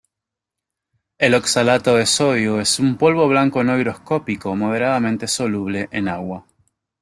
El oxalato de sodio es un polvo blanco no higroscópico moderadamente soluble en agua.